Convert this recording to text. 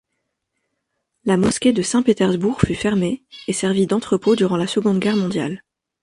La mosquée de Saint-Pétersbourg fut fermée et servit d'entrepôt durant la Seconde Guerre mondiale.